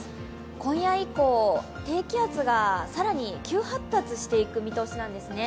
今夜以降、低気圧が更に急発達していく見通しなんですね。